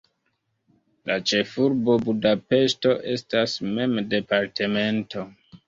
La ĉefurbo Budapeŝto estas mem departemento.